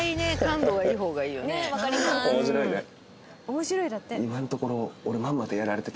「面白い」だって。